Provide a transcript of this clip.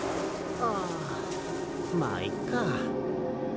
ああまあいっか。